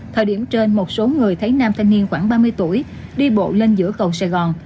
thời điểm trên một số người thấy nam thanh niên khoảng ba mươi tuổi đi bộ lên giữa cầu sài gòn